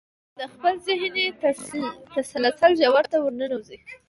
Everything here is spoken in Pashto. د خپل ذهني تسلسل ژورو ته ورننوځئ.